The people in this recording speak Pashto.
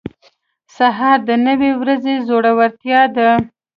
سهار د نوې ورځې زړورتیا ده.